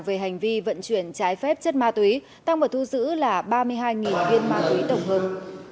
về hành vi vận chuyển trái phép chất ma túy tăng vào thu giữ là ba mươi hai viên ma túy tổng hợp